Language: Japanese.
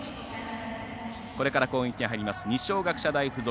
これから攻撃に入ります二松学舎大付属。